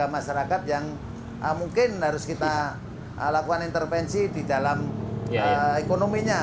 masyarakat yang mungkin harus kita lakukan intervensi di dalam ekonominya